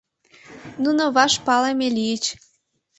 Нуно ваш палыме лийыч.